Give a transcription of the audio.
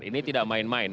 ini tidak main main